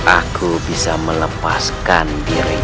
aku bisa melepaskan diriku